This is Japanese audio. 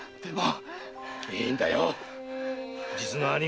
でも〕〔いいんだよ〕